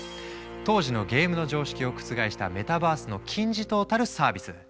当時のゲームの常識を覆したメタバースの金字塔たるサービス。